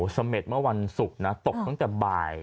เสม็ดเมื่อวันศุกร์นะตกตั้งแต่บ่าย